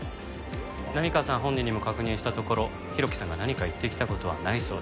波川さん本人にも確認したところ浩喜さんが何か言ってきた事はないそうです。